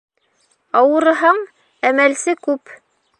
Ауырыһаң, әмәлсе күп.